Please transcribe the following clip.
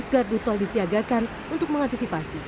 dua belas gardu tol disiagakan untuk mengantisipasi